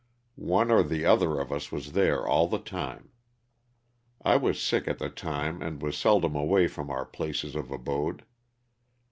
One or the other of us was there all the time. I was sick at the time and was seldom away from our place of abode.